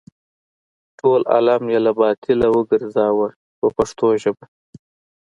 ټول عالم یې له باطله وګرځاوه په پښتو ژبه.